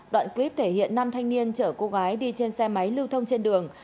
đoạn clip thể hiện năm thanh niên chở cô gái đi trên xe máy lưu thông trên đường